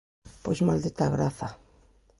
Pois maldita a graza!